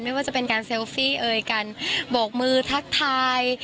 ไม่ว่าจะเป็นการเซลฟี่เอยการโบกมือทักทาย